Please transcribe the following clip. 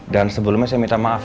dan sebelumnya saya minta maaf